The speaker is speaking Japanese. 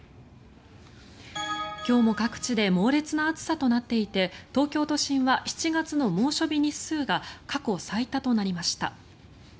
今日も各地で猛烈な暑さとなっていて東京都心では７月の猛暑日日数が過去最多となりました。